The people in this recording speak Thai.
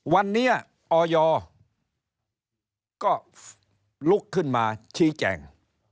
วันนี้ออยก็ลุกขึ้นมาชี้แจง